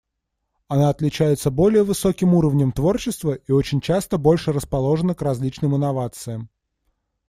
Она отличается более высоким уровнем творчества и очень часто больше расположена к различным инновациям.